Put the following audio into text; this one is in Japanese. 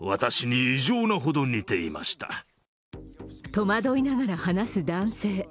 戸惑いながら話す男性。